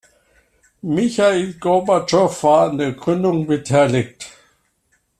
Michail Gorbatschow war an der Gründung beteiligt.